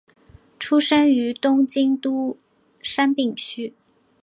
出身于东京都杉并区。